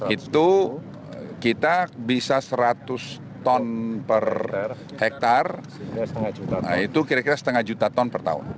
itu kita bisa seratus ton per hektare itu kira kira setengah juta ton per tahun